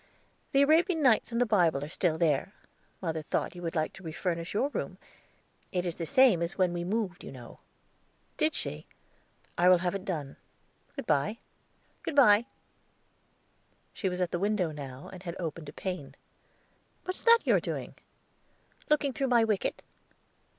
"The Arabian Nights and the Bible are still there. Mother thought you would like to refurnish your room. It is the same as when we moved, you know." "Did she? I will have it done. Good by." "Good by." She was at the window now, and had opened a pane. "What's that you are doing?" "Looking through my wicket."